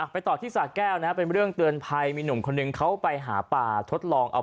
ไปต่อที่ศาสตร์แก้วนะเป็นเรื่องเตือนภายมีหนุ่มคนเดิมเข้าไปหาปลา